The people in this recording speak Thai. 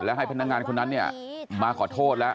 และให้พนักงานคนนั้นเนี่ยมาขอโทษแล้ว